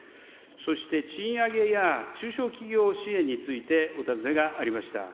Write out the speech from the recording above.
そして、賃上げや中小企業支援についてお尋ねがありました。